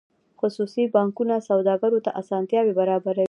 خصوصي بانکونه سوداګرو ته اسانتیاوې برابروي